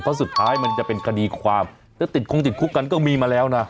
เพราะสุดท้ายมันจะเป็นคดีความจะติดคงติดคุกกันก็มีมาแล้วนะ